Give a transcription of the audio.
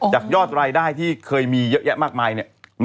จากยอดรายได้ที่เคยมีเยอะแยะมากมายเนี่ย